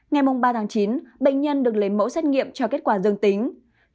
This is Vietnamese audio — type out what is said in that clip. ngày mùng ba tháng chín bệnh nhân được lấy mẫu xét nghiệm cho kết quả dương tính